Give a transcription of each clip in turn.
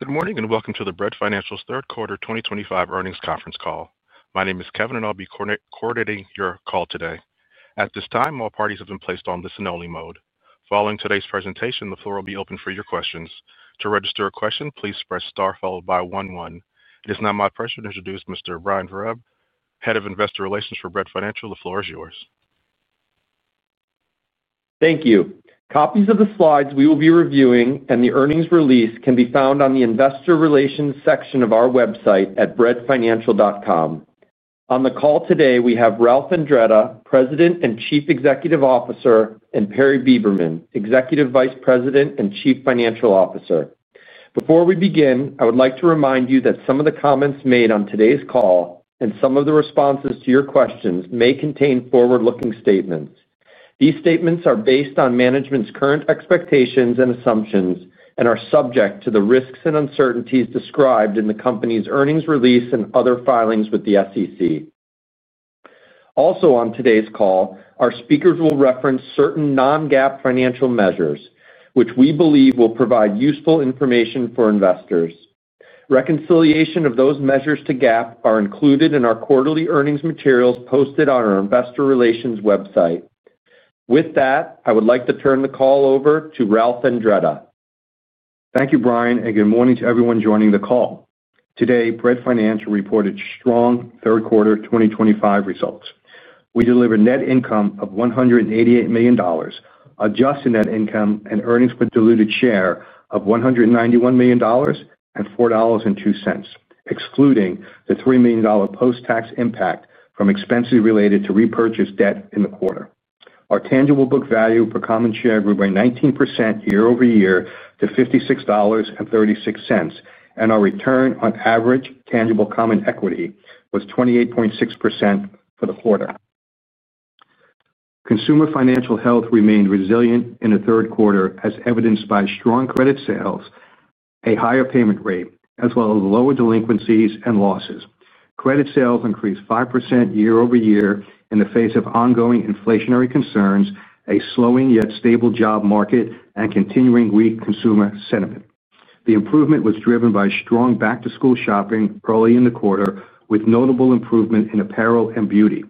Good morning and welcome to Bread Financial's third quarter 2025 earnings conference call. My name is Kevin, and I'll be coordinating your call today. At this time, all parties have been placed on listen-only mode. Following today's presentation, the floor will be open for your questions. To register a question, please press star followed by one one. It is now my pleasure to introduce Mr. Brian Vereb, Head of Investor Relations for Bread Financial. The floor is yours. Thank you. Copies of the slides we will be reviewing and the earnings release can be found on the Investor Relations section of our website at breadfinancial.com. On the call today, we have Ralph Andretta, President and Chief Executive Officer, and Perry Beberman, Executive Vice President and Chief Financial Officer. Before we begin, I would like to remind you that some of the comments made on today's call and some of the responses to your questions may contain forward-looking statements. These statements are based on management's current expectations and assumptions and are subject to the risks and uncertainties described in the company's earnings release and other filings with the SEC. Also on today's call, our speakers will reference certain non-GAAP financial measures, which we believe will provide useful information for investors. Reconciliation of those measures to GAAP are included in our quarterly earnings materials posted on our Investor Relations website. With that, I would like to turn the call over to Ralph Andretta. Thank you, Brian, and good morning to everyone joining the call. Today, Bread Financial reported strong third quarter 2025 results. We delivered net income of $188 million, adjusted net income, and earnings per diluted share of $191 million and $4.02, excluding the $3 million post-tax impact from expenses related to repurchased debt in the quarter. Our tangible book value per common share grew by 19% year-over-year to $56.36, and our return on average tangible common equity was 28.6% for the quarter. Consumer financial health remained resilient in the third quarter, as evidenced by strong credit sales, a higher payment rate, as well as lower delinquencies and losses. Credit sales increased 5% year-over-year in the face of ongoing inflationary concerns, a slowing yet stable job market, and continuing weak consumer sentiment. The improvement was driven by strong back-to-school shopping early in the quarter, with notable improvement in apparel and beauty.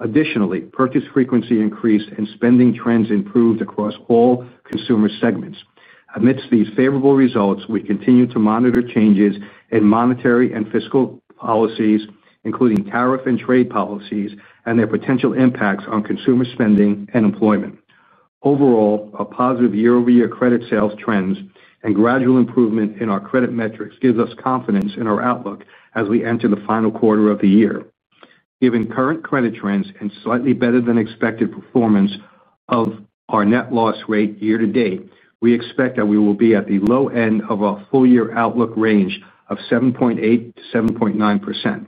Additionally, purchase frequency increased and spending trends improved across all consumer segments. Amidst these favorable results, we continue to monitor changes in monetary and fiscal policies, including tariff and trade policies, and their potential impacts on consumer spending and employment. Overall, positive year-over-year credit sales trends and gradual improvement in our credit metrics give us confidence in our outlook as we enter the final quarter of the year. Given current credit trends and slightly better-than-expected performance of our net loss rate year to date, we expect that we will be at the low end of our full-year outlook range of 7.8%-7.9%.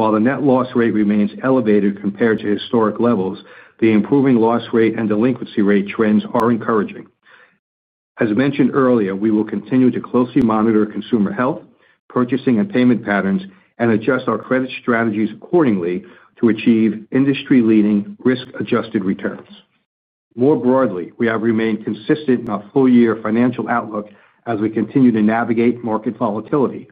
While the net loss rate remains elevated compared to historic levels, the improving loss rate and delinquency rate trends are encouraging. As mentioned earlier, we will continue to closely monitor consumer health, purchasing, and payment patterns, and adjust our credit strategies accordingly to achieve industry-leading risk-adjusted returns. More broadly, we have remained consistent in our full-year financial outlook as we continue to navigate market volatility.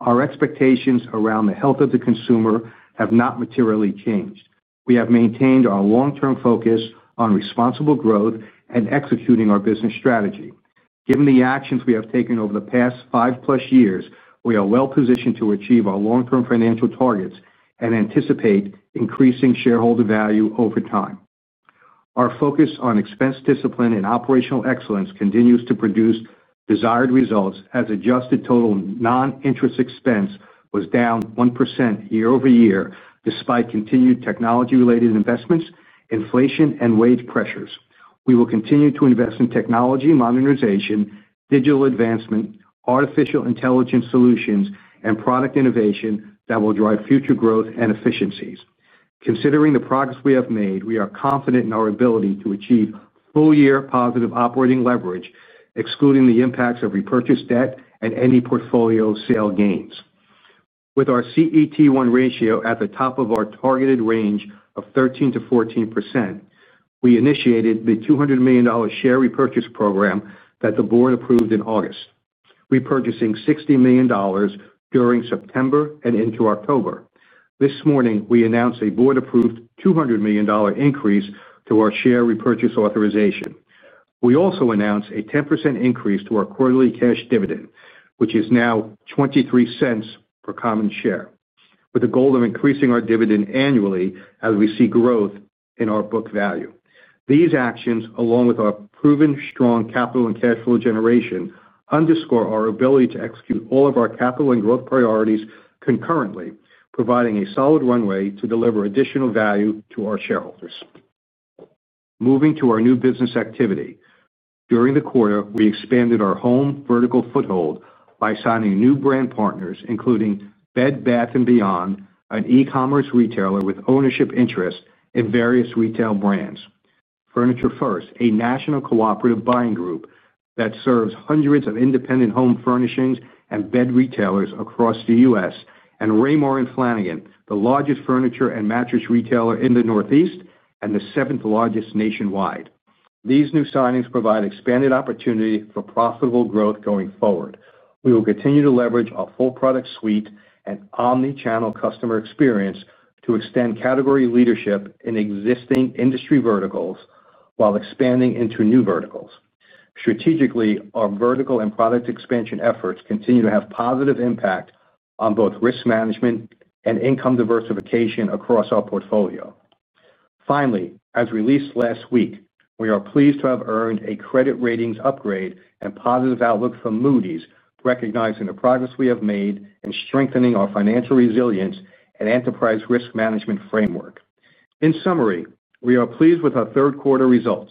Our expectations around the health of the consumer have not materially changed. We have maintained our long-term focus on responsible growth and executing our business strategy. Given the actions we have taken over the past five-plus years, we are well positioned to achieve our long-term financial targets and anticipate increasing shareholder value over time. Our focus on expense discipline and operational excellence continues to produce desired results, as adjusted total non-interest expense was down 1% year-over-year despite continued technology-related investments, inflation, and wage pressures. We will continue to invest in technology modernization, digital advancement, artificial intelligence solutions, and product innovation that will drive future growth and efficiencies. Considering the progress we have made, we are confident in our ability to achieve full-year positive operating leverage, excluding the impacts of repurchased debt and any portfolio sale gains. With our CET1 ratio at the top of our targeted range of 13%-14%, we initiated the $200 million share repurchase program that the board approved in August, repurchasing $60 million during September and into October. This morning, we announced a board-approved $200 million increase to our share repurchase authorization. We also announced a 10% increase to our quarterly cash dividend, which is now $0.23 per common share, with the goal of increasing our dividend annually as we see growth in our book value. These actions, along with our proven strong capital and cash flow generation, underscore our ability to execute all of our capital and growth priorities concurrently, providing a solid runway to deliver additional value to our shareholders. Moving to our new business activity. During the quarter, we expanded our home vertical foothold by signing new brand partners, including Bed Bath & Beyond, an e-commerce retailer with ownership interest in various retail brands, Furniture First, a national cooperative buying group that serves hundreds of independent home furnishings and bed retailers across the U.S., and Raymour & Flanigan, the largest furniture and mattress retailer in the Northeast and the seventh largest nationwide. These new signings provide expanded opportunity for profitable growth going forward. We will continue to leverage our full product suite and omnichannel customer experience to extend category leadership in existing industry verticals while expanding into new verticals. Strategically, our vertical and product expansion efforts continue to have positive impact on both risk management and income diversification across our portfolio. Finally, as released last week, we are pleased to have earned a credit rating upgrade and positive outlook from Moody’s, recognizing the progress we have made in strengthening our financial resilience and enterprise risk management framework. In summary, we are pleased with our third quarter results.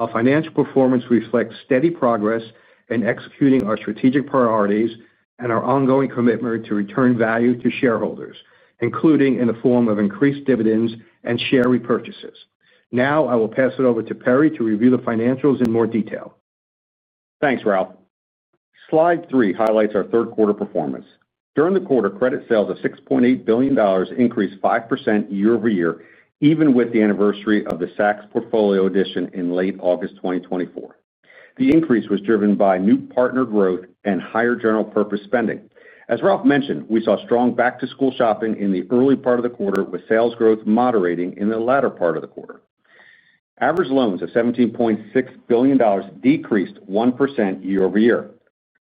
Our financial performance reflects steady progress in executing our strategic priorities and our ongoing commitment to return value to shareholders, including in the form of increased dividends and share repurchases. Now, I will pass it over to Perry to review the financials in more detail. Thanks, Ralph. Slide three highlights our third quarter performance. During the quarter, credit sales of $6.8 billion increased 5% year-over-year, even with the anniversary of the SACS portfolio addition in late August 2024. The increase was driven by new partner growth and higher general purpose spending. As Ralph mentioned, we saw strong back-to-school shopping in the early part of the quarter, with sales growth moderating in the latter part of the quarter. Average loans of $17.6 billion decreased 1% year-over-year.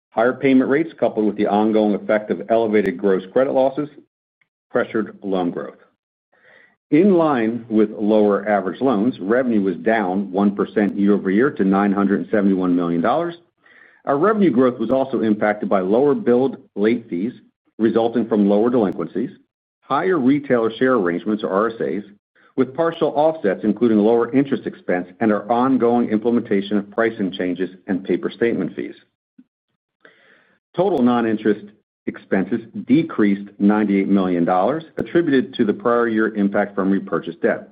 Higher payment rates, coupled with the ongoing effect of elevated gross credit losses, pressured loan growth. In line with lower average loans, revenue was down 1% year-over-year to $971 million. Our revenue growth was also impacted by lower billed late fees, resulting from lower delinquencies, higher retailer share arrangements, or RSAs, with partial offsets, including lower interest expense and our ongoing implementation of pricing changes and paper statement fees. Total non-interest expenses decreased $98 million, attributed to the prior year impact from repurchased debt.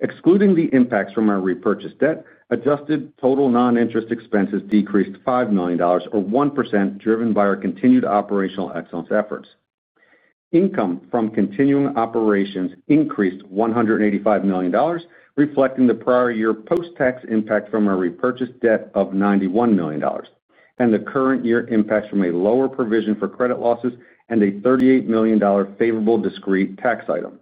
Excluding the impacts from our repurchased debt, adjusted total non-interest expenses decreased $5 million, or 1%, driven by our continued operational excellence efforts. Income from continuing operations increased $185 million, reflecting the prior year post-tax impact from our repurchased debt of $91 million, and the current year impacts from a lower provision for credit losses and a $38 million favorable discrete tax item.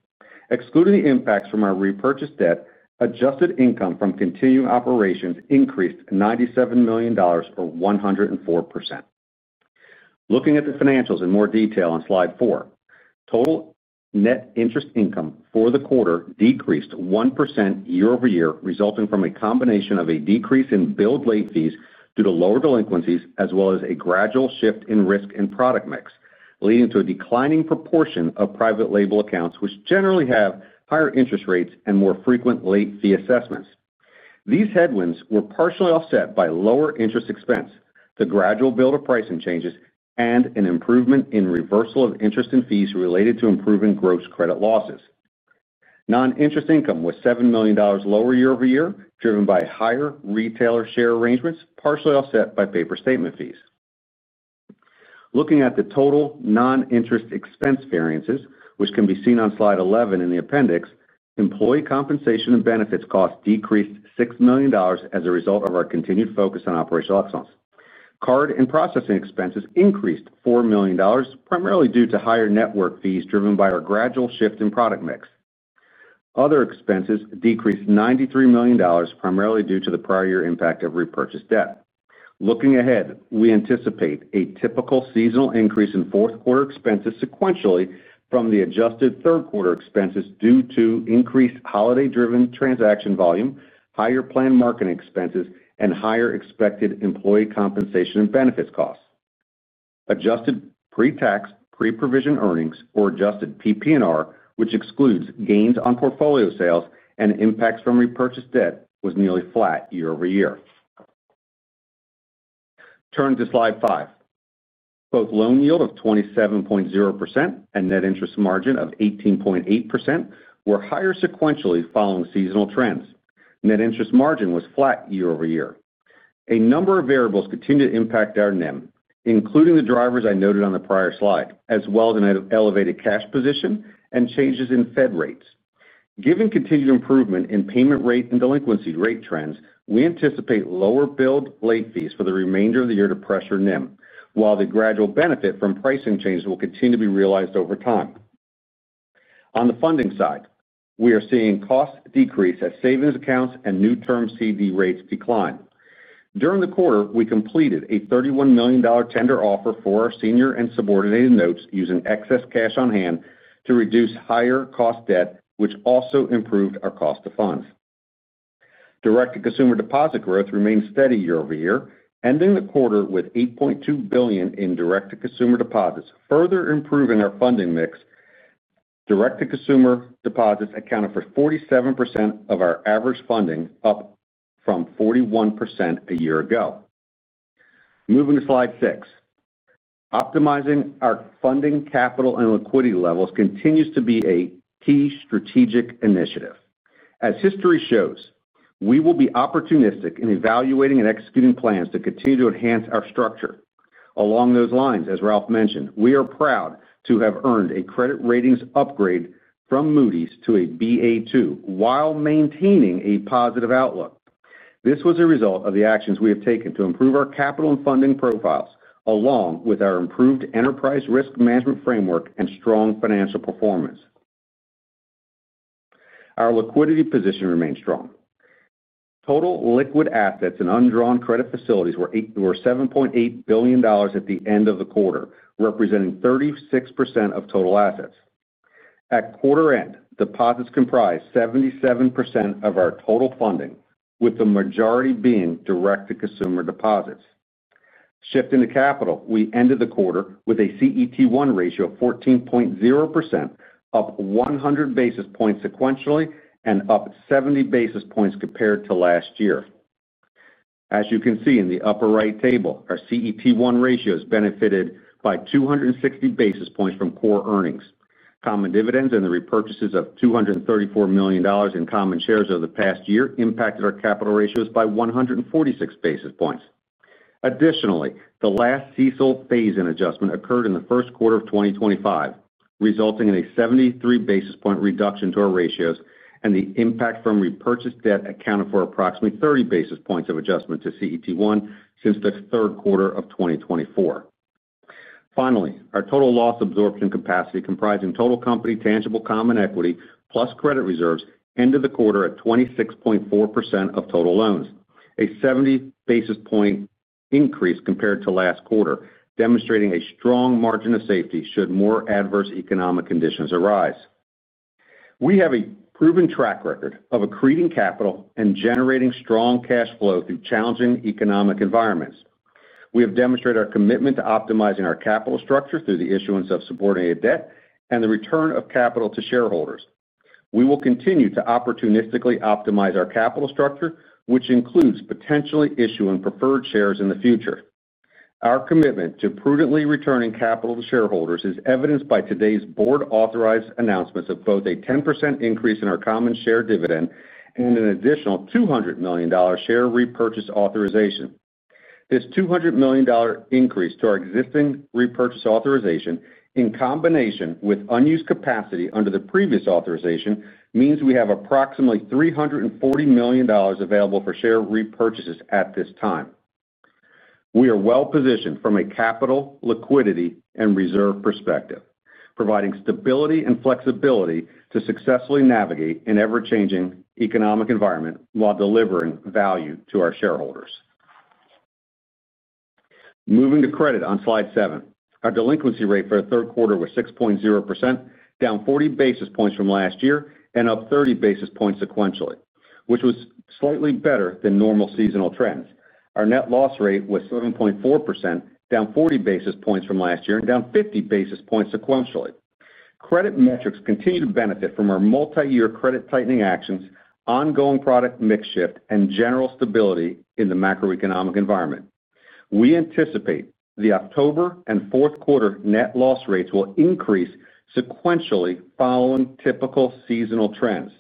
Excluding the impacts from our repurchased debt, adjusted income from continuing operations increased $97 million, or 104%. Looking at the financials in more detail on slide four, total net interest income for the quarter decreased 1% year-over-year, resulting from a combination of a decrease in billed late fees due to lower delinquencies, as well as a gradual shift in risk and product mix, leading to a declining proportion of private label accounts, which generally have higher interest rates and more frequent late fee assessments. These headwinds were partially offset by lower interest expense, the gradual build of pricing changes, and an improvement in reversal of interest and fees related to improving gross credit losses. Non-interest income was $7 million lower year-over-year, driven by higher retailer share arrangements, partially offset by paper statement fees. Looking at the total non-interest expense variances, which can be seen on slide 11 in the appendix, employee compensation and benefits costs decreased $6 million as a result of our continued focus on operational excellence. Card and processing expenses increased $4 million, primarily due to higher network fees driven by our gradual shift in product mix. Other expenses decreased $93 million, primarily due to the prior year impact of repurchased debt. Looking ahead, we anticipate a typical seasonal increase in fourth quarter expenses sequentially from the adjusted third quarter expenses due to increased holiday-driven transaction volume, higher planned marketing expenses, and higher expected employee compensation and benefits costs. Adjusted pre-tax, pre-provision earnings, or adjusted PP&R, which excludes gains on portfolio sales and impacts from repurchased debt, was nearly flat year-over-year. Turning to slide five, both loan yield of 27.0% and net interest margin of 18.8% were higher sequentially following seasonal trends. Net interest margin was flat year-over-year. A number of variables continue to impact our NIM, including the drivers I noted on the prior slide, as well as an elevated cash position and changes in Fed rates. Given continued improvement in payment rate and delinquency rate trends, we anticipate lower billed late fees for the remainder of the year to pressure NIM, while the gradual benefit from pricing changes will continue to be realized over time. On the funding side, we are seeing costs decrease as savings accounts and new term CD rates decline. During the quarter, we completed a $31 million tender offer for our senior and subordinated notes using excess cash on hand to reduce higher cost debt, which also improved our cost of funds. Direct-to-consumer deposit growth remains steady year-over-year, ending the quarter with $8.2 billion in direct-to-consumer deposits, further improving our funding mix. Direct-to-consumer deposits accounted for 47% of our average funding, up from 41% a year ago. Moving to slide six, optimizing our funding capital and liquidity levels continues to be a key strategic initiative. As history shows, we will be opportunistic in evaluating and executing plans to continue to enhance our structure. Along those lines, as Ralph mentioned, we are proud to have earned a credit rating upgrade from Moody’s to a Ba2 while maintaining a positive outlook. This was a result of the actions we have taken to improve our capital and funding profiles, along with our improved enterprise risk management framework and strong financial performance. Our liquidity position remains strong. Total liquid assets and undrawn credit facilities were $7.8 billion at the end of the quarter, representing 36% of total assets. At quarter end, deposits comprise 77% of our total funding, with the majority being direct-to-consumer deposits. Shifting to capital, we ended the quarter with a CET1 ratio of 14.0%, up 100 basis points sequentially, and up 70 basis points compared to last year. As you can see in the upper right table, our CET1 ratios benefited by 260 basis points from core earnings. Common dividends and the repurchases of $234 million in common shares over the past year impacted our capital ratios by 146 basis points. Additionally, the last CECL Phase In adjustment occurred in the first quarter of 2025, resulting in a 73 basis point reduction to our ratios, and the impact from repurchased debt accounted for approximately 30 basis points of adjustment to CET1 since the third quarter of 2024. Finally, our total loss absorption capacity, comprising total company tangible common equity plus credit reserves, ended the quarter at 26.4% of total loans, a 70 basis point increase compared to last quarter, demonstrating a strong margin of safety should more adverse economic conditions arise. We have a proven track record of accreting capital and generating strong cash flow through challenging economic environments. We have demonstrated our commitment to optimizing our capital structure through the issuance of subordinated debt and the return of capital to shareholders. We will continue to opportunistically optimize our capital structure, which includes potentially issuing preferred shares in the future. Our commitment to prudently returning capital to shareholders is evidenced by today's board-authorized announcements of both a 10% increase in our common share dividend and an additional $200 million share repurchase authorization. This $200 million increase to our existing repurchase authorization, in combination with unused capacity under the previous authorization, means we have approximately $340 million available for share repurchases at this time. We are well positioned from a capital, liquidity, and reserve perspective, providing stability and flexibility to successfully navigate an ever-changing economic environment while delivering value to our shareholders. Moving to credit on slide seven, our delinquency rate for the third quarter was 6.0%, down 40 basis points from last year, and up 30 basis points sequentially, which was slightly better than normal seasonal trends. Our net loss rate was 7.4%, down 40 basis points from last year, and down 50 basis points sequentially. Credit metrics continue to benefit from our multi-year credit tightening actions, ongoing product mix shift, and general stability in the macroeconomic environment. We anticipate the October and fourth quarter net loss rates will increase sequentially following typical seasonal trends.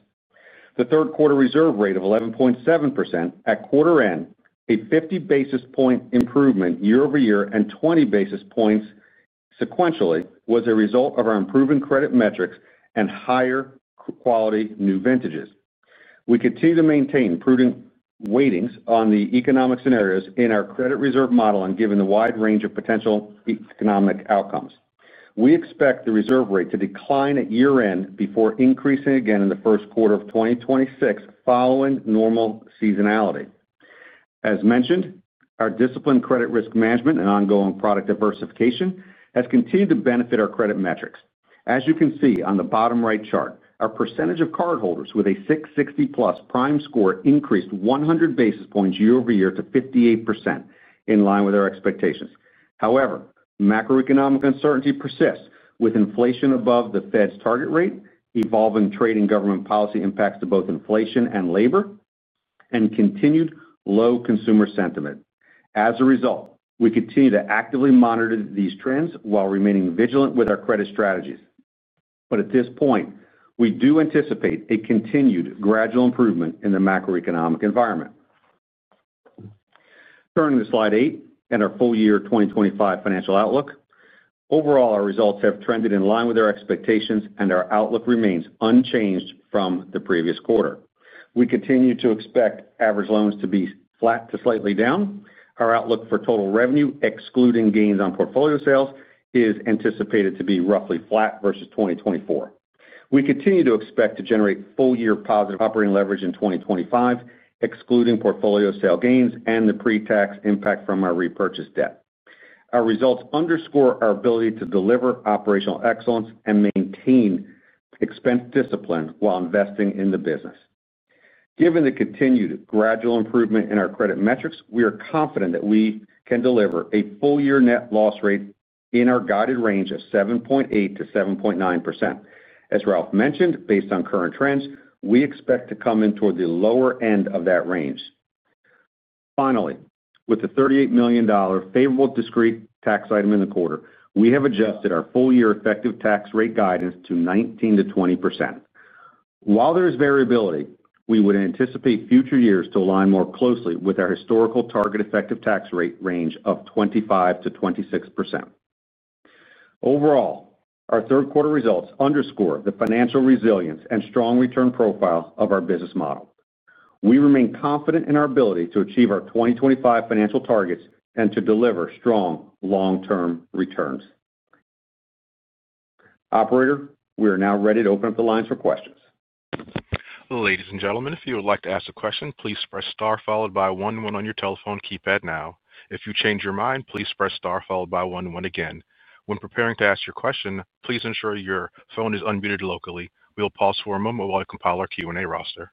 The third quarter reserve rate of 11.7% at quarter end, a 50 basis point improvement year-over-year, and 20 basis points sequentially, was a result of our improving credit metrics and higher quality new vintages. We continue to maintain prudent weightings on the economic scenarios in our credit reserve modeling, given the wide range of potential economic outcomes. We expect the reserve rate to decline at year-end before increasing again in the first quarter of 2026 following normal seasonality. As mentioned, our disciplined credit risk management and ongoing product diversification has continued to benefit our credit metrics. As you can see on the bottom right chart, our percentage of cardholders with a 660+ prime score increased 100 basis points year-over-year to 58%, in line with our expectations. However, macroeconomic uncertainty persists, with inflation above the Fed's target rate, evolving trade and government policy impacts to both inflation and labor, and continued low consumer sentiment. As a result, we continue to actively monitor these trends while remaining vigilant with our credit strategies. At this point, we do anticipate a continued gradual improvement in the macroeconomic environment. Turning to slide eight and our full-year 2025 financial outlook, overall, our results have trended in line with our expectations, and our outlook remains unchanged from the previous quarter. We continue to expect average loans to be flat to slightly down. Our outlook for total revenue, excluding gains on portfolio sales, is anticipated to be roughly flat versus 2024. We continue to expect to generate full-year positive operating leverage in 2025, excluding portfolio sale gains and the pre-tax impact from our repurchased debt. Our results underscore our ability to deliver operational excellence and maintain expense discipline while investing in the business. Given the continued gradual improvement in our credit metrics, we are confident that we can deliver a full-year net loss rate in our guided range of 7.8%-7.9%. As Ralph mentioned, based on current trends, we expect to come in toward the lower end of that range. Finally, with the $38 million favorable discrete tax item in the quarter, we have adjusted our full-year effective tax rate guidance to 19%-20%. While there is variability, we would anticipate future years to align more closely with our historical target effective tax rate range of 25%-26%. Overall, our third quarter results underscore the financial resilience and strong return profile of our business model. We remain confident in our ability to achieve our 2025 financial targets and to deliver strong long-term returns. Operator, we are now ready to open up the lines for questions. Ladies and gentlemen, if you would like to ask a question, please press star followed by one one on your telephone keypad now. If you change your mind, please press star followed by one one again. When preparing to ask your question, please ensure your phone is unmuted locally. We will pause for a moment while we compile our Q&A roster.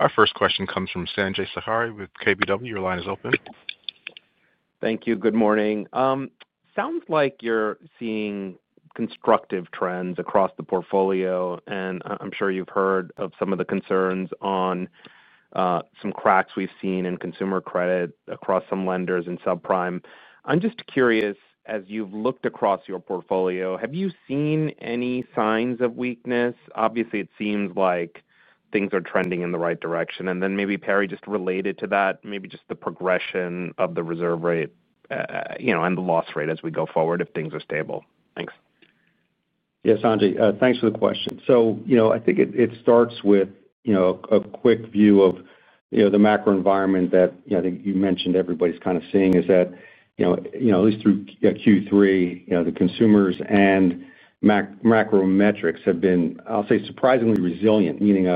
Our first question comes from Sanjay Sakhrani with KBW. Your line is open. Thank you. Good morning. Sounds like you're seeing constructive trends across the portfolio, and I'm sure you've heard of some of the concerns on some cracks we've seen in consumer credit across some lenders and subprime. I'm just curious, as you've looked across your portfolio, have you seen any signs of weakness? Obviously, it seems like things are trending in the right direction. Maybe Perry, just related to that, maybe just the progression of the reserve rate, you know, and the loss rate as we go forward if things are stable. Thanks. Yeah, Sanjay, thanks for the question. I think it starts with a quick view of the macro environment that I think you mentioned everybody's kind of seeing is that at least through Q3, the consumers and macro metrics have been, I'll say, surprisingly resilient, meaning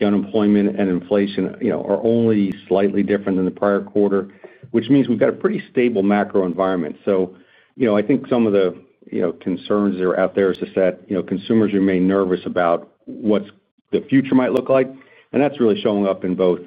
unemployment and inflation are only slightly different than the prior quarter, which means we've got a pretty stable macro environment. I think some of the concerns that are out there is just that consumers remain nervous about what the future might look like. That's really showing up in both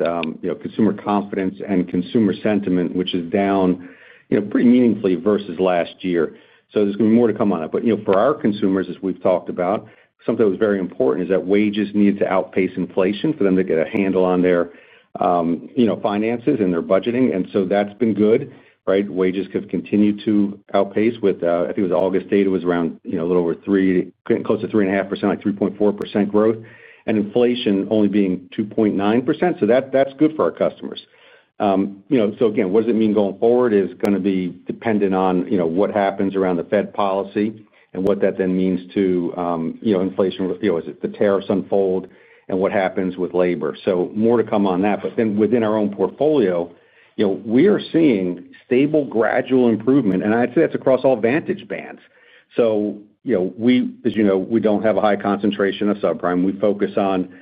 consumer confidence and consumer sentiment, which is down pretty meaningfully versus last year. There's going to be more to come on that. For our consumers, as we've talked about, something that was very important is that wages needed to outpace inflation for them to get a handle on their finances and their budgeting. That's been good, right? Wages have continued to outpace with, I think it was August data, was around a little over 3%, close to 3.5%, like 3.4% growth, and inflation only being 2.9%. That's good for our customers. Again, what does it mean going forward is going to be dependent on what happens around the Fed policy and what that then means to inflation as the tariffs unfold and what happens with labor. More to come on that. Within our own portfolio, we are seeing stable gradual improvement. I'd say that's across all vantage bands. As you know, we don't have a high concentration of subprime. We focus on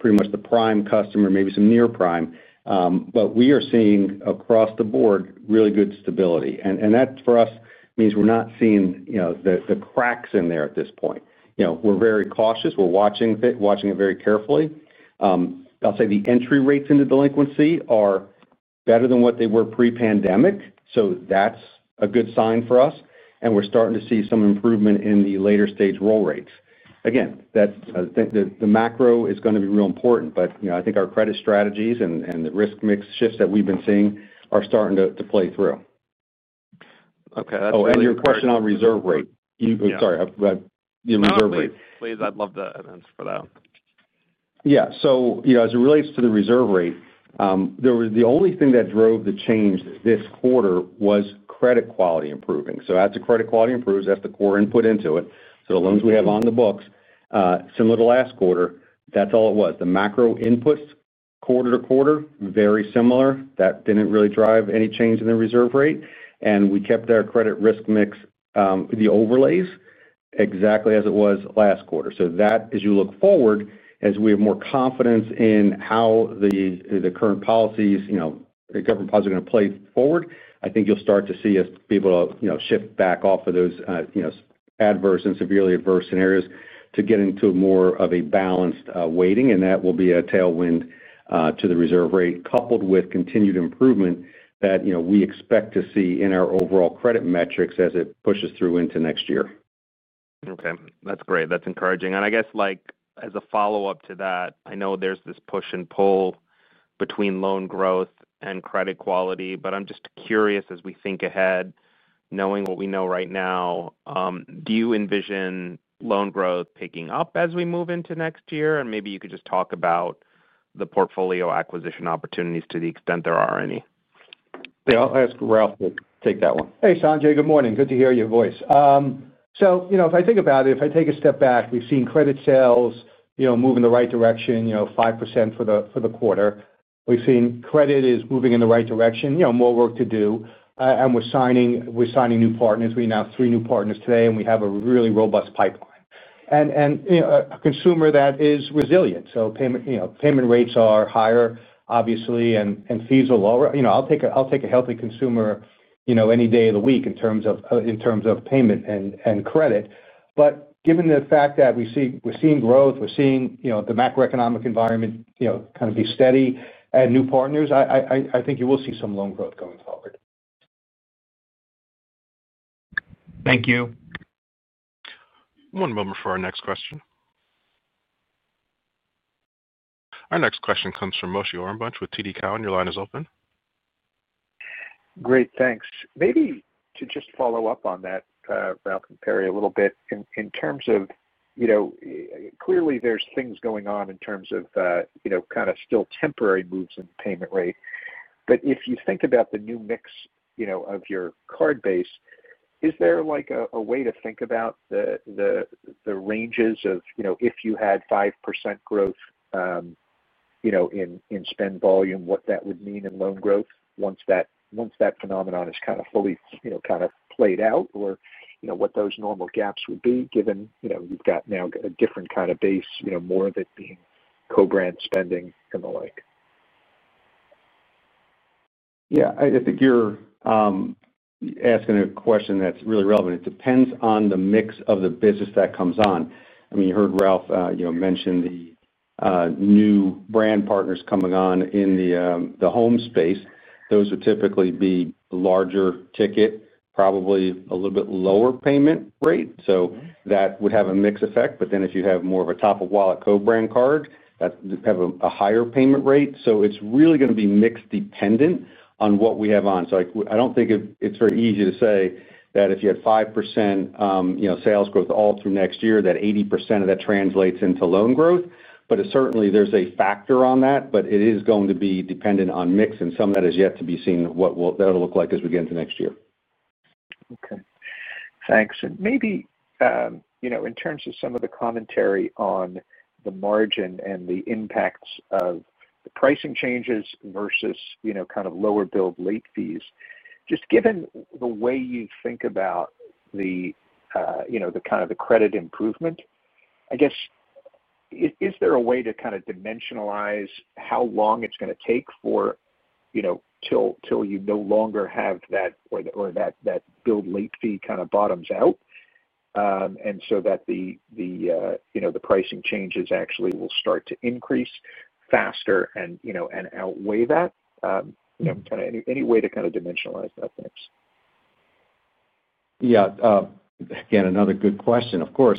pretty much the prime customer, maybe some near prime. We are seeing across the board really good stability. That for us means we're not seeing the cracks in there at this point. We're very cautious. We're watching it very carefully. I'll say the entry rates into delinquency are better than what they were pre-pandemic. That's a good sign for us. We're starting to see some improvement in the later stage roll rates. The macro is going to be real important. I think our credit strategies and the risk mix shifts that we've been seeing are starting to play through. Okay. Oh, your question on reserve rate. Sorry. Please, I'd love to answer for that. Yeah. As it relates to the reserve rate, the only thing that drove the change this quarter was credit quality improving. As the credit quality improves, that's the core input into it. The loans we have on the books, similar to last quarter, that's all it was. The macro inputs quarter to quarter are very similar. That didn't really drive any change in the reserve rate. We kept our credit risk mix, the overlays, exactly as it was last quarter. As you look forward, as we have more confidence in how the current policies, the government policies, are going to play forward, I think you'll start to see us be able to shift back off of those adverse and severely adverse scenarios to get into more of a balanced weighting. That will be a tailwind to the reserve rate, coupled with continued improvement that we expect to see in our overall credit metrics as it pushes through into next year. Okay. That's great. That's encouraging. I guess, like, as a follow-up to that, I know there's this push and pull between loan growth and credit quality, but I'm just curious, as we think ahead, knowing what we know right now, do you envision loan growth picking up as we move into next year? Maybe you could just talk about the portfolio acquisition opportunities to the extent there are any. Yeah, I'll ask Ralph to take that one. Hey, Sanjay. Good morning. Good to hear your voice. If I think about it, if I take a step back, we've seen credit sales move in the right direction, 5% for the quarter. We've seen credit is moving in the right direction, more work to do. We're signing new partners. We announced three new partners today, and we have a really robust pipeline and a consumer that is resilient. Payment rates are higher, obviously, and fees are lower. I'll take a healthy consumer any day of the week in terms of payment and credit. Given the fact that we're seeing growth, we're seeing the macroeconomic environment kind of be steady and new partners, I think you will see some loan growth going forward. Thank you. One moment for our next question. Our next question comes from Moshe Orenbuch with TD Cowen. Your line is open. Great, thanks. Maybe to just follow up on that, Ralph and Perry, a little bit, in terms of, you know, clearly there's things going on in terms of still temporary moves in the payment rate. If you think about the new mix of your card base, is there a way to think about the ranges of, you know, if you had 5% growth in spend volume, what that would mean in loan growth once that phenomenon is fully played out or what those normal gaps would be given you've got now a different kind of base, more of it being co-brand spending and the like. Yeah, I think you're asking a question that's really relevant. It depends on the mix of the business that comes on. I mean, you heard Ralph mention the new brand partners coming on in the home space. Those would typically be larger ticket, probably a little bit lower payment rate. That would have a mixed effect. If you have more of a top-of-wallet co-brand credit card, that's going to have a higher payment rate. It's really going to be mix dependent on what we have on. I don't think it's very easy to say that if you had 5% sales growth all through next year, that 80% of that translates into loan growth. Certainly, there's a factor on that. It is going to be dependent on mix, and some of that is yet to be seen what that'll look like as we get into next year. Okay. Thanks. Maybe, in terms of some of the commentary on the margin and the impacts of the pricing changes versus kind of lower billed late fees, just given the way you think about the kind of the credit improvement, is there a way to kind of dimensionalize how long it's going to take till you no longer have that or that billed late fee kind of bottoms out? So that the pricing changes actually will start to increase faster and outweigh that. Any way to kind of dimensionalize that, thanks. Yeah. Again, another good question, of course.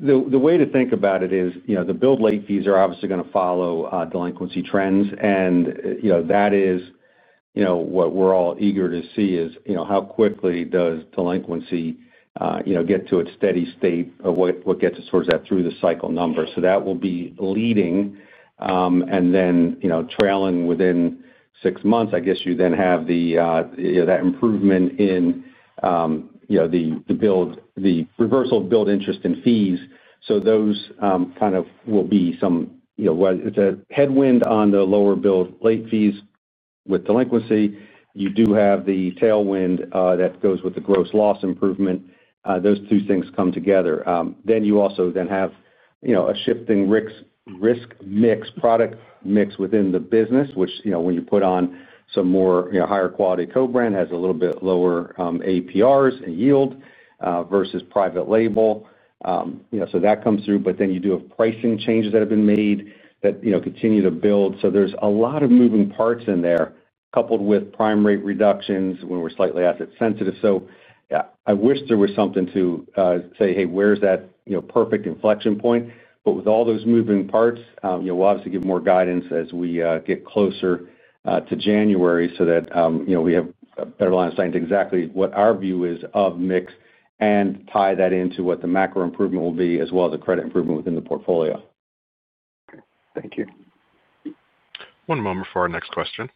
The way to think about it is, you know, the billed late fees are obviously going to follow delinquency trends. That is what we're all eager to see, how quickly does delinquency get to its steady state of what gets it towards that through the cycle number. That will be leading. Trailing within six months, I guess you then have that improvement in the reversal of billed interest and fees. Those kind of will be some, it's a headwind on the lower billed late fees with delinquency. You do have the tailwind that goes with the gross loss improvement. Those two things come together. You also then have a shifting risk mix, product mix within the business, which, when you put on some more higher quality co-brand has a little bit lower APRs and yield versus private label. That comes through. You do have pricing changes that have been made that continue to build. There's a lot of moving parts in there, coupled with prime rate reductions when we're slightly asset sensitive. I wish there was something to say, hey, where's that perfect inflection point? With all those moving parts, we'll obviously give more guidance as we get closer to January so that we have a better line of sight to exactly what our view is of mix and tie that into what the macro improvement will be, as well as the credit improvement within the portfolio. Okay, thank you. One moment for our next question.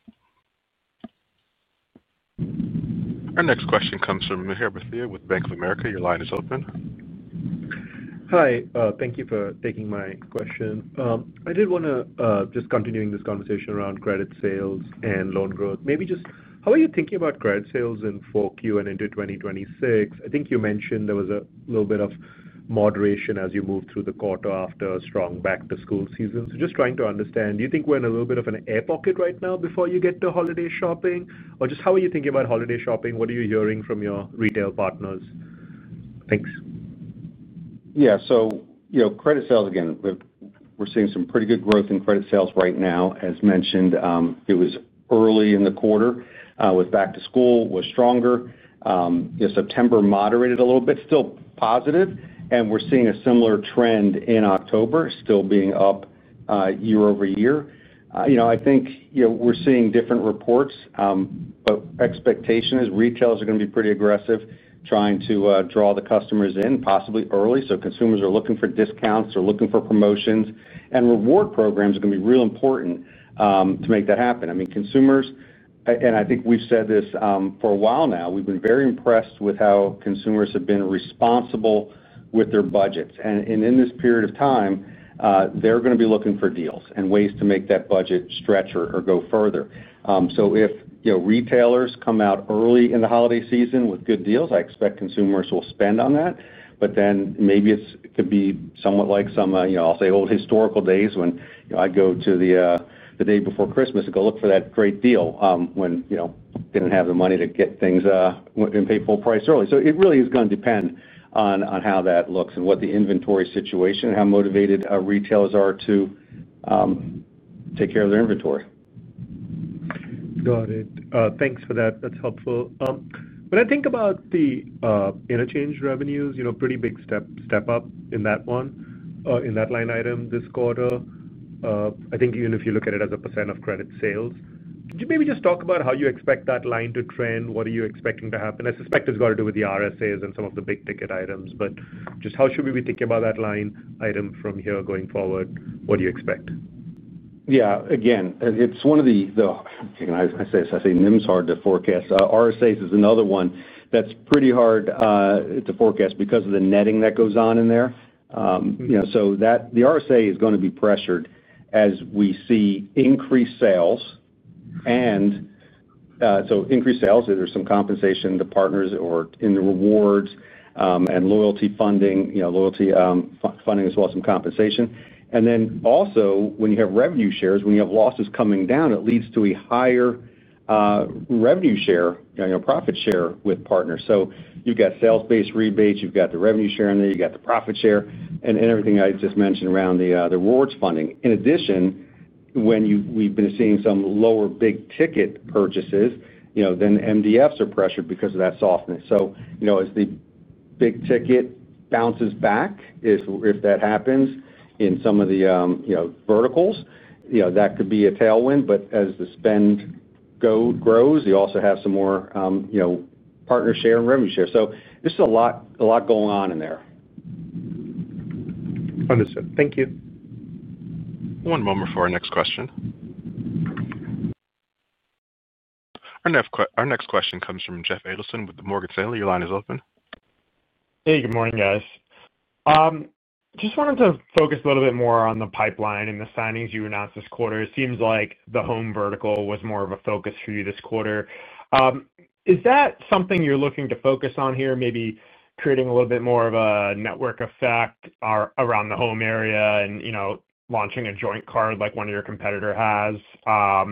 Our next question comes from Mihir Bhatia with Bank of America. Your line is open. Hi. Thank you for taking my question. I did want to just continue this conversation around credit sales and loan growth. Maybe just how are you thinking about credit sales in forecast and into 2026? I think you mentioned there was a little bit of moderation as you moved through the quarter after a strong back-to-school season. Just trying to understand, do you think we're in a little bit of an air pocket right now before you get to holiday shopping? How are you thinking about holiday shopping? What are you hearing from your retail partners? Thanks. Yeah. Credit sales, again, we're seeing some pretty good growth in credit sales right now. As mentioned, it was early in the quarter with back-to-school was stronger. September moderated a little bit, still positive. We're seeing a similar trend in October, still being up year-over-year. I think we're seeing different reports, but expectation is retailers are going to be pretty aggressive trying to draw the customers in possibly early. Consumers are looking for discounts. They're looking for promotions. Reward programs are going to be real important to make that happen. I mean, consumers, and I think we've said this for a while now, we've been very impressed with how consumers have been responsible with their budgets. In this period of time, they're going to be looking for deals and ways to make that budget stretch or go further. If retailers come out early in the holiday season with good deals, I expect consumers will spend on that. Maybe it could be somewhat like some, I'll say old historical days when I'd go to the day before Christmas and go look for that great deal when I didn't have the money to get things and pay full price early. It really is going to depend on how that looks and what the inventory situation is and how motivated retailers are to take care of their inventory. Got it. Thanks for that. That's helpful. When I think about the interchange revenues, you know, pretty big step up in that one, in that line item this quarter. I think even if you look at it as a percent of credit sales, can you maybe just talk about how you expect that line to trend? What are you expecting to happen? I suspect it's got to do with the RSAs and some of the big ticket items. Just how should we be thinking about that line item from here going forward? What do you expect? Yeah. Again, it's one of the, I say this, I say NIM's hard to forecast. RSAs is another one that's pretty hard to forecast because of the netting that goes on in there. The RSA is going to be pressured as we see increased sales. Increased sales, there's some compensation to partners or in the rewards and loyalty funding, loyalty funding as well as some compensation. Also, when you have revenue shares, when you have losses coming down, it leads to a higher revenue share, profit share with partners. You've got sales-based rebates, you've got the revenue share in there, you've got the profit share, and everything I just mentioned around the rewards funding. In addition, when we've been seeing some lower big ticket purchases, then MDFs are pressured because of that softness. As the big ticket bounces back, if that happens in some of the verticals, that could be a tailwind. As the spend grows, you also have some more partner share and revenue share. There's a lot going on in there. Understood. Thank you. One moment for our next question. Our next question comes from Jeff Adelson with Morgan Stanley. Your line is open. Hey, good morning, guys. Just wanted to focus a little bit more on the pipeline and the signings you announced this quarter. It seems like the home vertical was more of a focus for you this quarter. Is that something you're looking to focus on here, maybe creating a little bit more of a network effect around the home area and, you know, launching a joint card like one of your competitors has? Are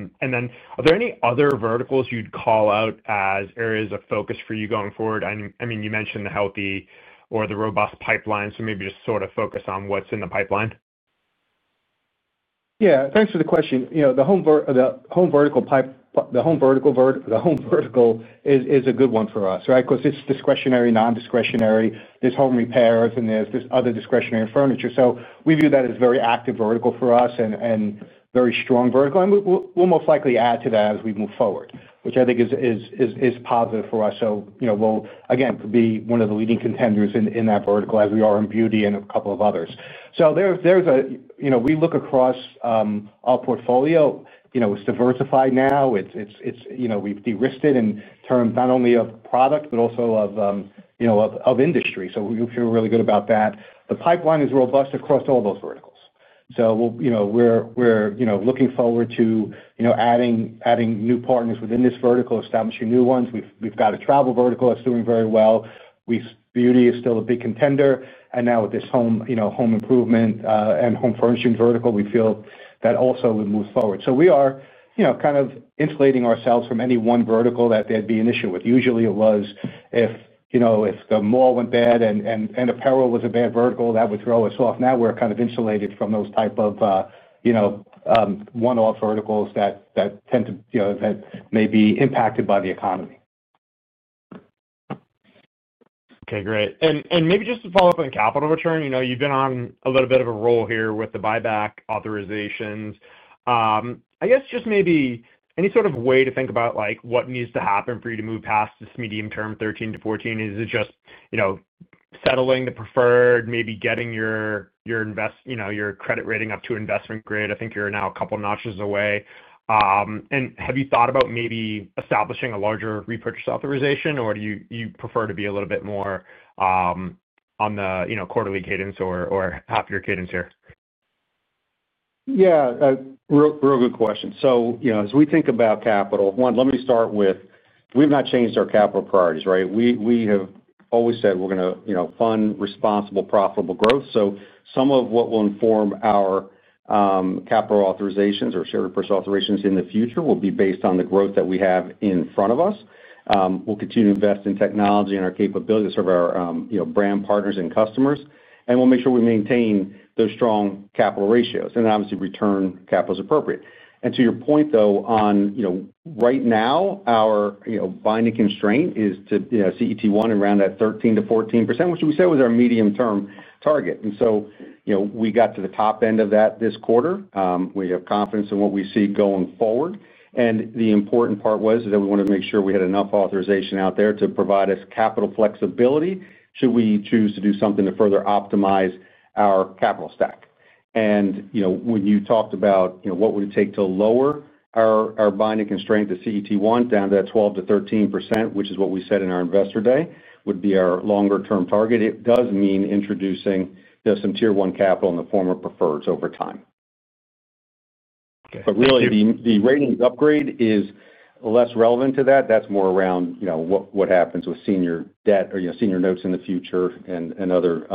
there any other verticals you'd call out as areas of focus for you going forward? You mentioned the healthy or the robust pipeline. Maybe just sort of focus on what's in the pipeline. Yeah, thanks for the question. The home vertical is a good one for us, right? Because it's discretionary, non-discretionary. There's home repairs and there's this other discretionary furniture. We view that as a very active vertical for us and a very strong vertical. We'll most likely add to that as we move forward, which I think is positive for us. We'll again be one of the leading contenders in that vertical as we are in beauty and a couple of others. We look across our portfolio, it's diversified now. We've de-risked it in terms not only of product, but also of industry. We feel really good about that. The pipeline is robust across all those verticals. We're looking forward to adding new partners within this vertical, establishing new ones. We've got a travel vertical that's doing very well. Beauty is still a big contender. Now with this home improvement and home furnishings vertical, we feel that also as we move forward. We are kind of insulating ourselves from any one vertical that there'd be an issue with. Usually, it was if the mall went bad and apparel was a bad vertical, that would throw us off. Now we're kind of insulated from those type of one-off verticals that may be impacted by the economy. Okay, great. Maybe just to follow up on the capital return, you've been on a little bit of a roll here with the buyback authorizations. I guess just maybe any sort of way to think about what needs to happen for you to move past this medium term, 13%-14%? Is it just settling the preferred, maybe getting your credit rating up to investment grade? I think you're now a couple of notches away. Have you thought about maybe establishing a larger repurchase authorization, or do you prefer to be a little bit more on the quarterly cadence or half-year cadence here? Yeah, real good question. As we think about capital, one, let me start with we've not changed our capital priorities, right? We have always said we're going to fund responsible, profitable growth. Some of what will inform our capital authorizations or share repurchase authorizations in the future will be based on the growth that we have in front of us. We'll continue to invest in technology and our capability to serve our brand partners and customers. We'll make sure we maintain those strong capital ratios. Obviously, return capital is appropriate. To your point, though, right now, our binding constraint is CET1 and around that 13%-14%, which we say was our medium-term target. We got to the top end of that this quarter. We have confidence in what we see going forward. The important part was that we wanted to make sure we had enough authorization out there to provide us capital flexibility should we choose to do something to further optimize our capital stack. When you talked about what would it take to lower our binding constraint to CET1 down to that 12%-13%, which is what we said in our investor day would be our longer-term target, it does mean introducing some tier-one capital in the form of preferreds over time. Really, the ratings upgrade is less relevant to that. That's more around what happens with senior debt or senior notes in the future and other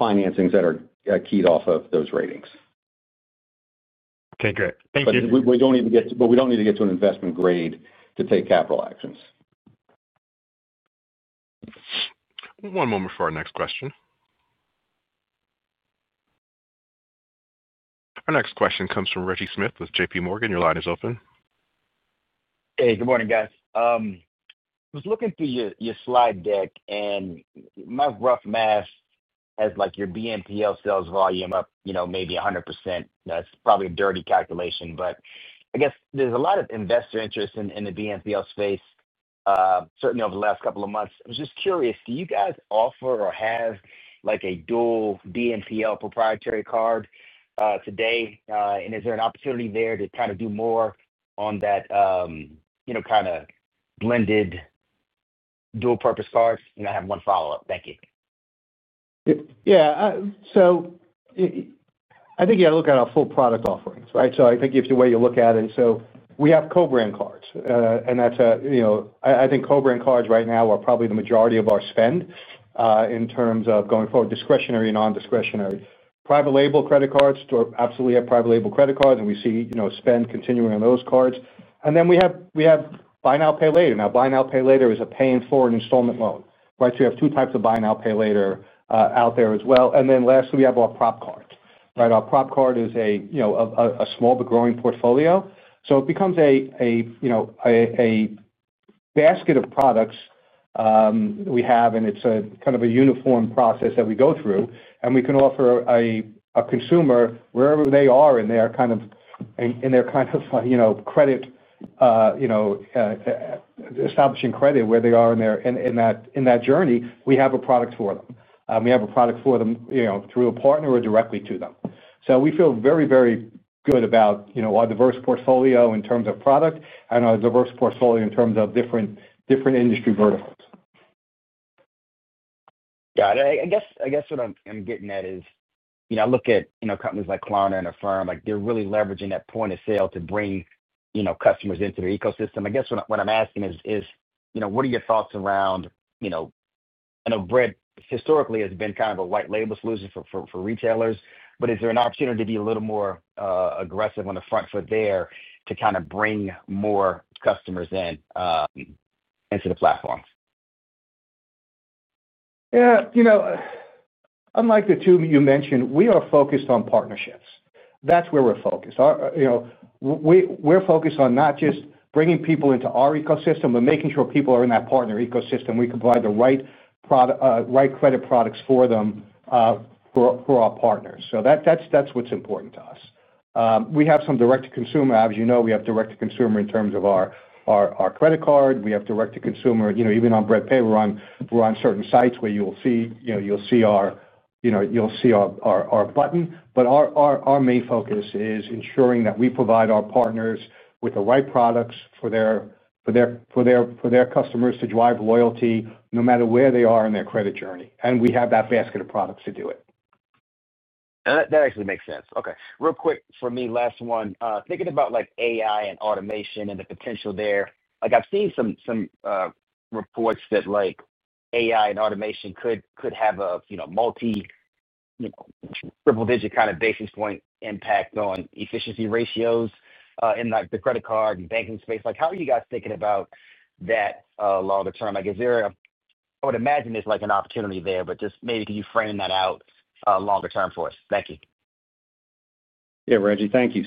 financings that are keyed off of those ratings. Okay, great. Thank you. We don't need to get to an investment grade to take capital actions. One moment for our next question. Our next question comes from Richie Smith with JPMorgan. Your line is open. Hey, good morning, guys. I was looking through your slide deck and my rough math has like your BNPL sales volume up, you know, maybe 100%. That's probably a dirty calculation. I guess there's a lot of investor interest in the BNPL space, certainly over the last couple of months. I was just curious, do you guys offer or have like a dual BNPL proprietary card today? Is there an opportunity there to kind of do more on that, you know, kind of blended dual-purpose card? I have one follow-up. Thank you. Yeah. I think you got to look at our full product offerings, right? I think if the way you look at it, we have co-brand credit cards. That's a, you know, I think co-brand credit cards right now are probably the majority of our spend in terms of going forward, discretionary and non-discretionary. Private label credit cards, we absolutely have private label credit cards. We see, you know, spend continuing on those cards. We have pay-over-time products. Now, pay-over-time products are a paying for an installment loan, right? You have two types of pay-over-time products out there as well. Lastly, we have our prop cards, right? Our prop card is a, you know, a small but growing portfolio. It becomes a, you know, a basket of products we have, and it's a kind of a uniform process that we go through. We can offer a consumer wherever they are in their kind of, in their kind of, you know, credit, you know, establishing credit where they are in that journey, we have a product for them. We have a product for them, you know, through a partner or directly to them. We feel very, very good about, you know, our diverse portfolio in terms of product and our diverse portfolio in terms of different industry verticals. Yeah. I guess what I'm getting at is, you know, I look at, you know, companies like Klarna and Affirm. They're really leveraging that point of sale to bring, you know, customers into their ecosystem. I guess what I'm asking is, you know, what are your thoughts around, you know, I know Bread historically has been kind of a white label solution for retailers, but is there an opportunity to be a little more aggressive on the front foot there to kind of bring more customers into the platform? Yeah, you know, unlike the two you mentioned, we are focused on partnerships. That's where we're focused. We're focused on not just bringing people into our ecosystem, but making sure people are in that partner ecosystem. We can provide the right product, right credit products for them for our partners. That's what's important to us. We have some direct-to-consumer. As you know, we have direct-to-consumer in terms of our credit card. We have direct-to-consumer, you know, even on Bread Pay, we're on certain sites where you'll see our, you know, you'll see our button. Our main focus is ensuring that we provide our partners with the right products for their customers to drive loyalty no matter where they are in their credit journey. We have that basket of products to do it. That actually makes sense. Okay. Real quick for me, last one, thinking about AI and automation and the potential there. I've seen some reports that AI and automation could have a triple-digit kind of basis point impact on efficiency ratios in the credit card and banking space. How are you guys thinking about that longer term? I would imagine there's an opportunity there, but maybe can you frame that out longer term for us? Thank you. Yeah, Richie, thank you.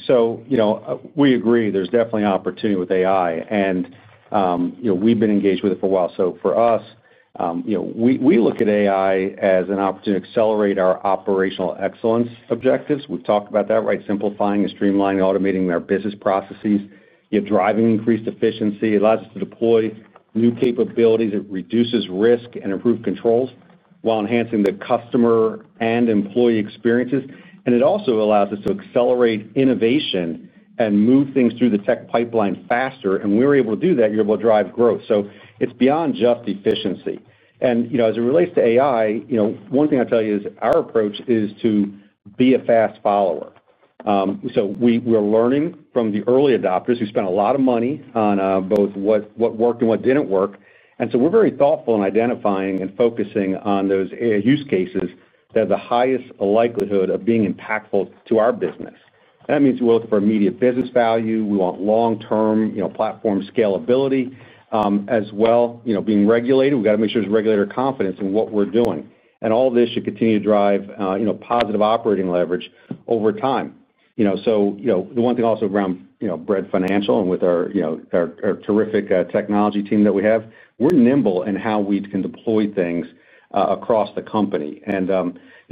We agree, there's definitely an opportunity with AI. We've been engaged with it for a while. For us, we look at AI as an opportunity to accelerate our operational excellence objectives. We've talked about that, right? Simplifying and streamlining, automating our business processes, driving increased efficiency, it allows us to deploy new capabilities. It reduces risk and improves controls while enhancing the customer and employee experiences. It also allows us to accelerate innovation and move things through the tech pipeline faster. We're able to do that. You're able to drive growth. It's beyond just efficiency. As it relates to AI, one thing I'll tell you is our approach is to be a fast follower. We are learning from the early adopters who spent a lot of money on both what worked and what didn't work. We're very thoughtful in identifying and focusing on those use cases that have the highest likelihood of being impactful to our business. That means we're looking for immediate business value. We want long-term platform scalability as well. Being regulated, we've got to make sure there's regulatory confidence in what we're doing. All of this should continue to drive positive operating leverage over time. The one thing also around Bread Financial and with our terrific technology team that we have, we're nimble in how we can deploy things across the company.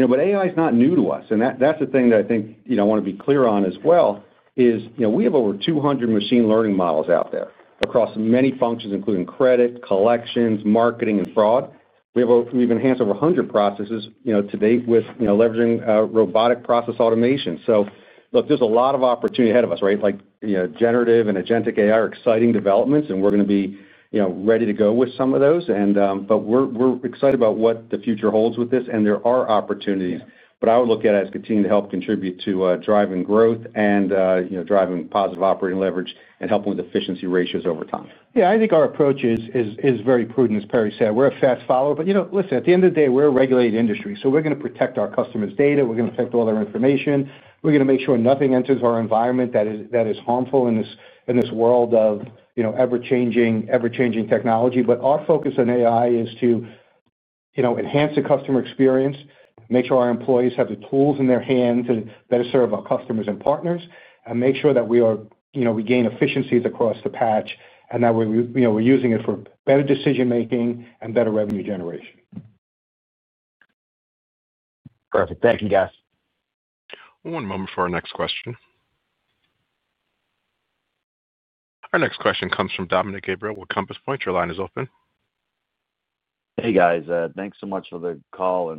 AI is not new to us. That's the thing that I think I want to be clear on as well is, we have over 200 machine learning models out there across many functions, including credit, collections, marketing, and fraud. We've enhanced over 100 processes to date with leveraging robotic process automation. There's a lot of opportunity ahead of us, right? Generative and agentic AI are exciting developments, and we're going to be ready to go with some of those. We're excited about what the future holds with this, and there are opportunities. I would look at it as continuing to help contribute to driving growth and driving positive operating leverage and helping with efficiency ratios over time. I think our approach is very prudent, as Perry said. We're a fast follower. At the end of the day, we're a regulated industry. We're going to protect our customers' data and protect all their information. We're going to make sure nothing enters our environment that is harmful in this world of ever-changing technology. Our focus on AI is to enhance the customer experience, make sure our employees have the tools in their hand to better serve our customers and partners, and make sure that we gain efficiencies across the patch. That way, we're using it for better decision-making and better revenue generation. Perfect. Thank you, guys. One moment for our next question. Our next question comes from Dominick Gabriele with Compass Point. Your line is open. Hey, guys. Thanks so much for the call.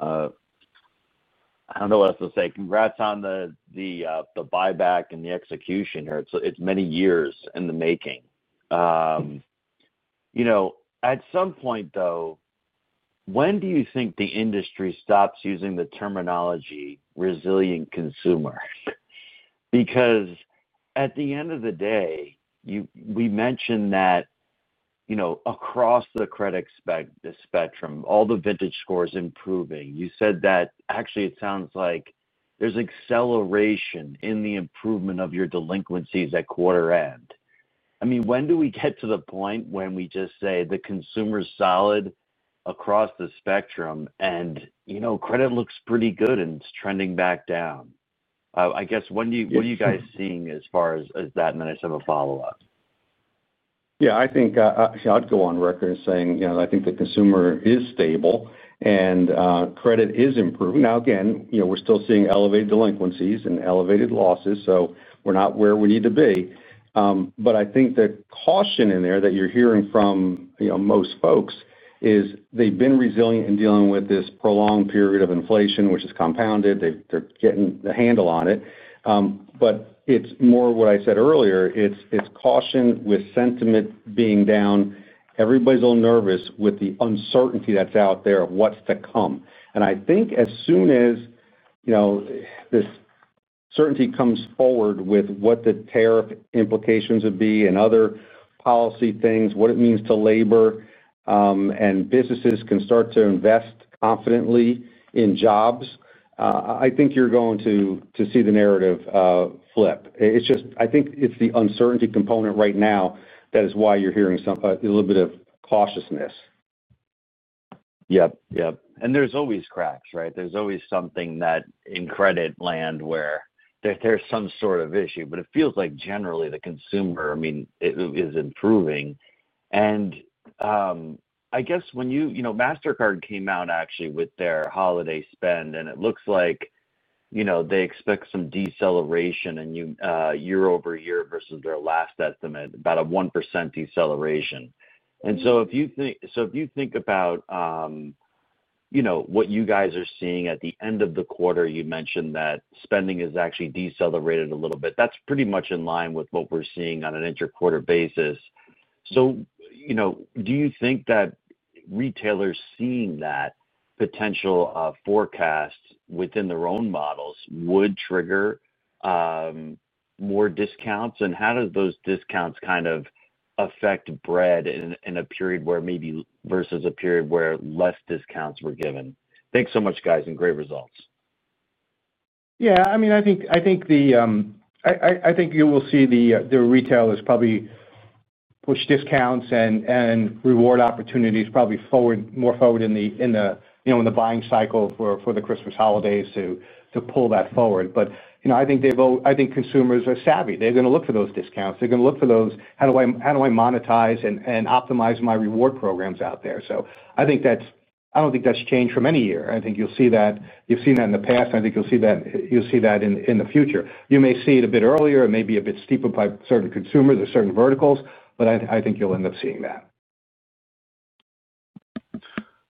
I don't know what else to say. Congrats on the buyback and the execution here. It's many years in the making. At some point, though, when do you think the industry stops using the terminology resilient consumer? Because at the end of the day, we mentioned that across the credit spectrum, all the vintage scores improving. You said that actually it sounds like there's acceleration in the improvement of your delinquencies at quarter end. I mean, when do we get to the point when we just say the consumer is solid across the spectrum and credit looks pretty good and it's trending back down? I guess, what are you guys seeing as far as that? I just have a follow-up. I think I'd go on record saying I think the consumer is stable and credit is improving. Now, again, we're still seeing elevated delinquencies and elevated losses. We're not where we need to be. I think the caution in there that you're hearing from most folks is they've been resilient in dealing with this prolonged period of inflation, which has compounded. They're getting a handle on it. It's more what I said earlier. It's caution with sentiment being down. Everybody's a little nervous with the uncertainty that's out there of what's to come. I think as soon as this certainty comes forward with what the tariff implications would be and other policy things, what it means to labor and businesses can start to invest confidently in jobs, I think you're going to see the narrative flip. I think it's the uncertainty component right now that is why you're hearing a little bit of cautiousness. Yep, yep. There's always cracks, right? There's always something that in credit land where there's some sort of issue. It feels like generally the consumer, I mean, is improving. I guess when you, you know, MasterCard came out actually with their holiday spend, and it looks like, you know, they expect some deceleration in year-over-year versus their last estimate, about a 1% deceleration. If you think about, you know, what you guys are seeing at the end of the quarter, you mentioned that spending is actually decelerated a little bit. That's pretty much in line with what we're seeing on an interquarter basis. Do you think that retailers seeing that potential forecast within their own models would trigger more discounts? How do those discounts kind of affect Bread in a period where maybe versus a period where less discounts were given? Thanks so much, guys, and great results. I think you will see the retailers probably push discounts and reward opportunities more forward in the buying cycle for the Christmas holidays to pull that forward. I think consumers are savvy. They're going to look for those discounts. They're going to look for those, how do I monetize and optimize my reward programs out there? I don't think that's changed from any year. I think you'll see that, you've seen that in the past. I think you'll see that in the future. You may see it a bit earlier. It may be a bit steeper by certain consumers or certain verticals, but I think you'll end up seeing that.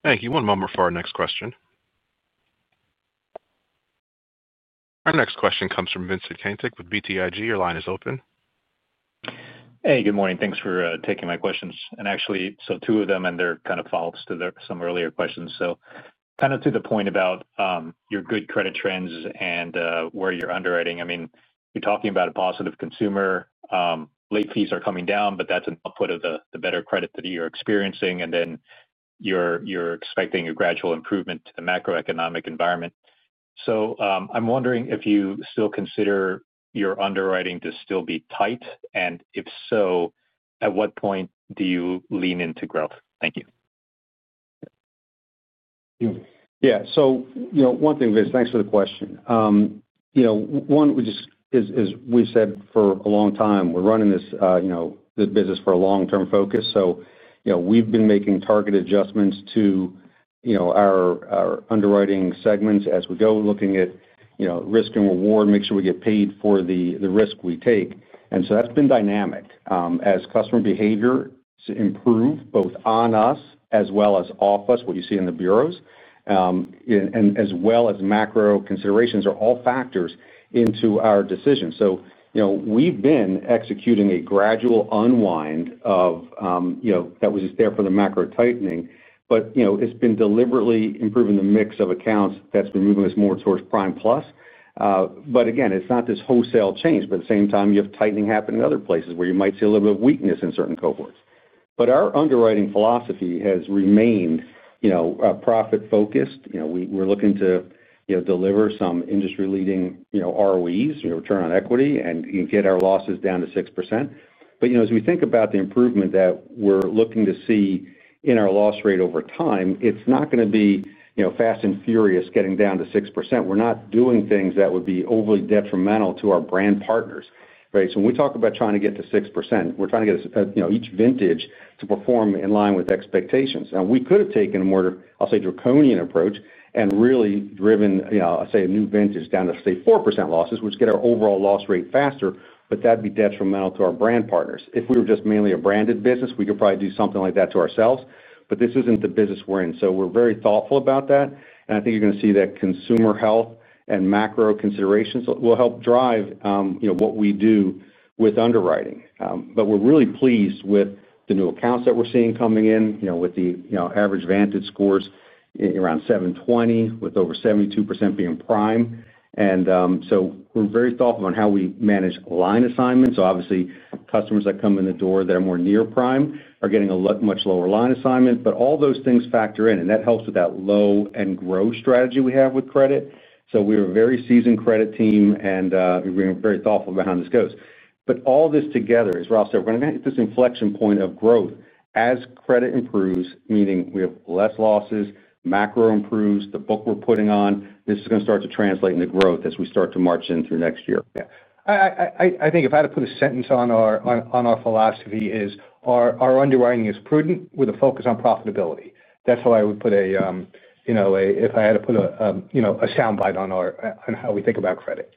Thank you. One moment for our next question. Our next question comes from Vincent Caintic with BTIG. Your line is open. Hey, good morning. Thanks for taking my questions. Actually, two of them and they're kind of follow-ups to some earlier questions. Kind of to the point about your good credit trends and where you're underwriting. I mean, you're talking about a positive consumer. Late fees are coming down, but that's an output of the better credit that you're experiencing. You're expecting a gradual improvement to the macroeconomic environment. I'm wondering if you still consider your underwriting to still be tight. If so, at what point do you lean into growth? Thank you. Yeah. One thing, Vince, thanks for the question. As we've said for a long time, we're running the business for a long-term focus. We've been making targeted adjustments to our underwriting segments as we go, looking at risk and reward to make sure we get paid for the risk we take. That's been dynamic. As customer behavior improves, both on us as well as off us, what you see in the bureaus, as well as macro considerations, are all factors into our decision. We've been executing a gradual unwind of what was just there for the macro tightening. It's been deliberately improving the mix of accounts that's been moving us more towards prime plus. Again, it's not this wholesale change. At the same time, you have tightening happening in other places where you might see a little bit of weakness in certain cohorts. Our underwriting philosophy has remained profit-focused. We're looking to deliver some industry-leading ROEs, return on equity, and you can get our losses down to 6%. As we think about the improvement that we're looking to see in our loss rate over time, it's not going to be fast and furious getting down to 6%. We're not doing things that would be overly detrimental to our brand partners, right? When we talk about trying to get to 6%, we're trying to get each vintage to perform in line with expectations. We could have taken a more, I'll say, draconian approach and really driven, I'll say, a new vintage down to, say, 4% losses, which would get our overall loss rate faster, but that would be detrimental to our brand partners. If we were just mainly a branded business, we could probably do something like that to ourselves. This isn't the business we're in. We're very thoughtful about that. I think you're going to see that consumer health and macro considerations will help drive what we do with underwriting. We're really pleased with the new accounts that we're seeing coming in, with the average Vantage scores around 720, with over 72% being prime. We're very thoughtful on how we manage line assignments. Obviously, customers that come in the door that are more near prime are getting a much lower line assignment. All those things factor in. That helps with that low and grow strategy we have with credit. We're a very seasoned credit team, and we're very thoughtful about how this goes. All this together, as Ralph said, we're going to hit this inflection point of growth as credit improves, meaning we have less losses, macro improves, the book we're putting on, this is going to start to translate into growth as we start to march in through next year. I think if I had to put a sentence on our philosophy, our underwriting is prudent with a focus on profitability. That's how I would put a soundbite on how we think about credit.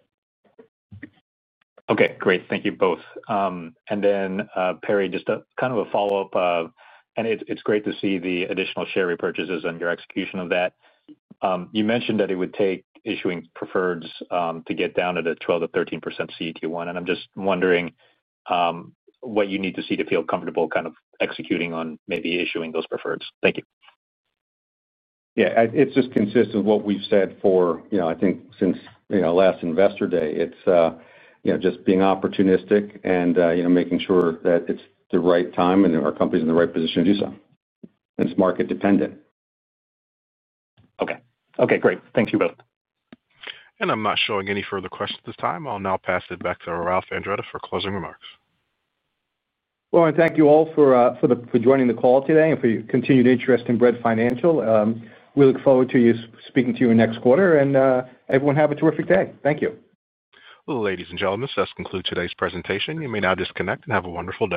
Okay, great. Thank you both. Perry, just a kind of a follow-up, and it's great to see the additional share repurchases and your execution of that. You mentioned that it would take issuing preferreds to get down to the 12%-13% CET1. I'm just wondering what you need to see to feel comfortable kind of executing on maybe issuing those preferreds. Thank you. Yeah, it's just consistent with what we've said for, you know, I think since last Investor Day, it's, you know, just being opportunistic and making sure that it's the right time and our company's in the right position to do so. It's market dependent. Okay, great. Thank you both. I'm not showing any further questions at this time. I'll now pass it back to Ralph Andretta for closing remarks. Thank you all for joining the call today and for your continued interest in Bread Financial. We look forward to speaking to you next quarter. Everyone, have a terrific day. Thank you. Ladies and gentlemen, this does conclude today's presentation. You may now disconnect and have a wonderful day.